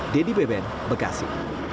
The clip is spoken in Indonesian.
dedy beben bekasi